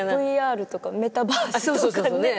ＶＲとかメタバースとかね